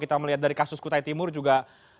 kita melihat dari kasus kutai timur juga